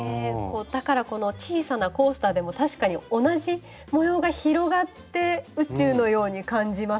だからこの小さなコースターでも確かに同じ模様が広がって宇宙のように感じますね。